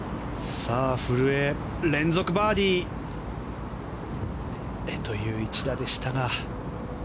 古江、連続バーディーという一打でしたが。